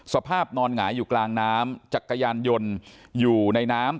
สภาพนอนหงายอยู่กลางน้ำจักรยานยนต์อยู่ในน้ำ